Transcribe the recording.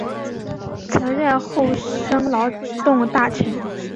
曾任厚生劳动大臣。